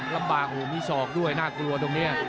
ลำบากโอ้โหมีศอกด้วยน่ากลัวตรงนี้